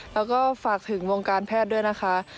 แล้วก็ฝากถึงวงการแพทย์ด้วยนะคะ